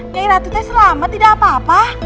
nyai ratu teh selamat tidak apa apa